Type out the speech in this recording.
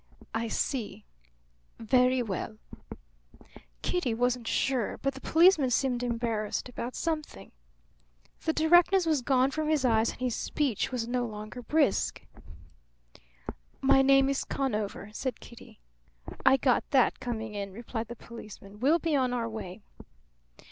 "I see. Very well." Kitty wasn't sure, but the policeman seemed embarrassed about something. The directness was gone from his eyes and his speech was no longer brisk. "My name is Conover," said Kitty. "I got that coming in," replied the policeman. "We'll be on our way."